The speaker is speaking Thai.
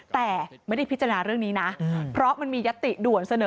แต่ไม่ได้พิจารณาเรื่องนี้นะเพราะมันมียัตติด่วนเสนอ